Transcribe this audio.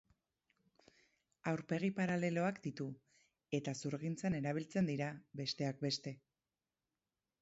Aurpegi paraleloak ditu eta zurgintzan erabiltzen dira, besteak beste.